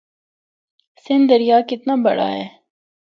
سندھ دریا کتنا بڑا ہے۔